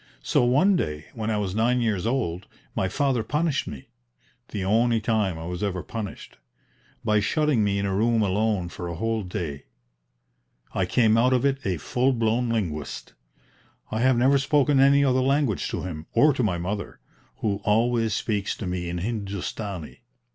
So one day when I was nine years old my father punished me the only time I was ever punished by shutting me in a room alone for a whole day. I came out of it a full blown linguist. I have never spoken any other language to him, or to my mother, who always speaks to me in Hindustani.